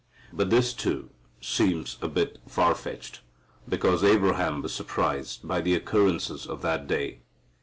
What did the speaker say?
But this, too, seems a bit far fetched, because Abraham was surprised by the occurrences of that day.